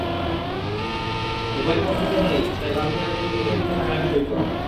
Mobile phone থেকেও নেই, তাই বাধ্য হয়ে স্ত্রীর মুখের দিকে তাকালেন সৈকত।